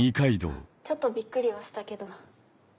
ちょっとビックリはしたけど。